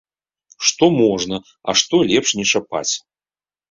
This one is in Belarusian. Што можна, а што лепш не чапаць.